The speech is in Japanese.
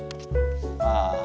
ああ。